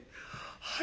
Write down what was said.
「はい。